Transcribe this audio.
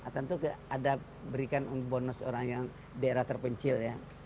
tentu ada berikan bonus orang yang daerah terpencil ya